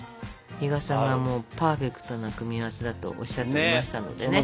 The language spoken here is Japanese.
比嘉さんがもうパーフェクトな組み合わせだとおっしゃっていましたのでね。